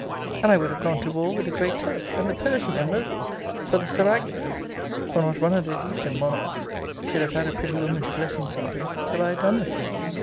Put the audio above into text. And I would have gone to war with the Great Turk, and the Persian, and Mogul, for the seraglios; for not one of those eastern monarchs should have had a pretty woman to bless himself with till I had done with her.